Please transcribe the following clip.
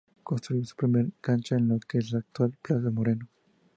Construyó su primer cancha en lo que es la actual Plaza Moreno.